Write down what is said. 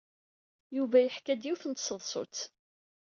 Yuba yeḥka-d yiwet n tseḍsut.